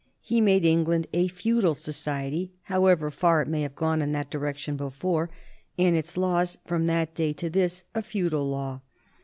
He made England a feudal society, however far it may have gone in that di rection before, and its law, from that day to this, a feu dal law.